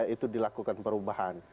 itu dilakukan perubahan